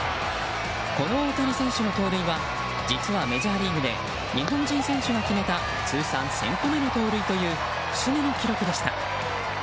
この大谷選手の盗塁は実はメジャーリーグで日本人選手が決めた通算１０００個目の盗塁という節目の記録でした。